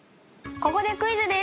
ここでクイズです！